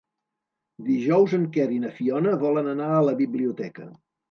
Dijous en Quer i na Fiona volen anar a la biblioteca.